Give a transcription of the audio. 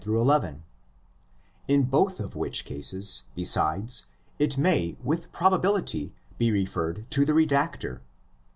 —in both of which cases, besides, 16 may with probability be referred to the redactor.